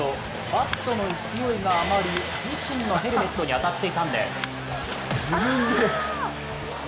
バットの勢いが余り、自身のヘルメットに当たっていたんです。